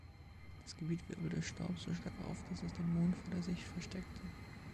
Das Gebiet wirbelte Staub so stark auf, dass es den Mond vor der Sicht versteckte.